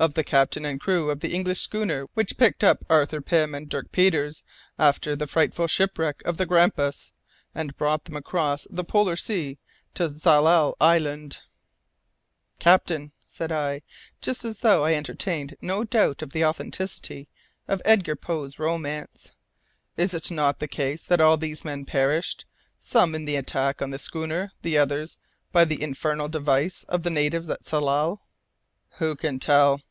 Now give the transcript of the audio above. "Of the captain and crew of the English schooner which picked up Arthur Pym and Dirk Peters after the frightful shipwreck of the Grampus, and brought them across the Polar Sea to Tsalal Island " "Captain," said I, just as though I entertained no doubt of the authenticity of Edgar Poe's romance, "is it not the case that all these men perished, some in the attack on the schooner, the others by the infernal device of the natives of Tsalal?" "Who can tell?"